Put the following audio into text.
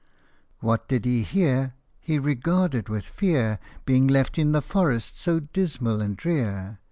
What did he hear r He regarded with fear Being left in the forest so dismal and drear